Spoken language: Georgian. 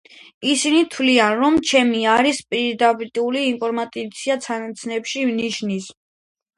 ისინი თვლიან, რომ მემი არის პრიმიტიული ინტერპრეტაცია ცნების ნიშნის.